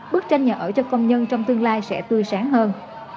bức tranh nhà ở cho công nhân trong tương lai sẽ tươi sáng hơn